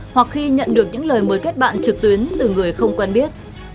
hoặc khi nhận được những lời mời kết bạn trực tuyến từ người không quen biết